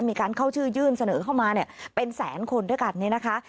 มีการเข้าชื่อยื่นเสนอเข้ามาเนี่ยเป็นแสนคนด้วยกันเนี่ยนะคะ